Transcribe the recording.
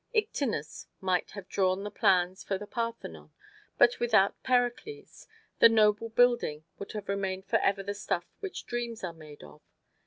Ictinus might have drawn the plans for the Parthenon, but without Pericles the noble building would have remained forever the stuff which dreams are made of.